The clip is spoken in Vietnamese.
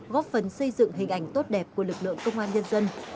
góp phần xây dựng hình ảnh tốt đẹp của lực lượng công an nhân dân